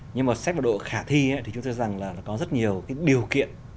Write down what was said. nhưng mà xét vào độ khả thi thì chúng tôi rằng là có rất nhiều điều kiện